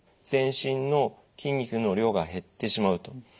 全身の筋肉の量が減ってしまうと。